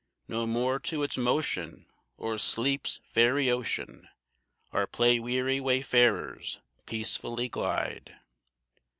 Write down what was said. No more to its motion o'er sleep's fairy ocean, Our play weary wayfarers peacefully glide.